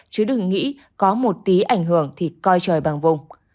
chứ đừng nghĩ có một tí ảnh hưởng thì coi trời bằng vùng